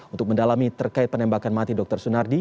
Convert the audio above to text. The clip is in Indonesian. untuk mendalami terkait penembakan mati dr sunardi